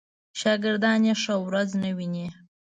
شاګردان یې ښه ورځ نه ویني.